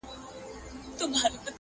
زموږ پاچا دی موږ په ټولو دی منلی٫